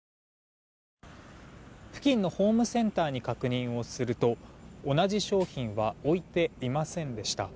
付近のホームセンターに確認をすると同じ商品は置いていませんでした。